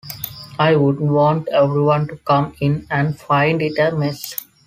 I wouldn't want everyone to come in and find it a mess.